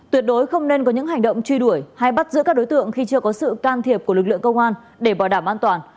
tuyệt đối không nên có những hành động truy đuổi hay bắt giữ các đối tượng khi chưa có sự can thiệp của lực lượng công an để bảo đảm an toàn